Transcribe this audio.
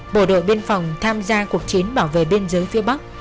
bộ đội biên phòng tham gia cuộc chiến bảo vệ biên giới phía bắc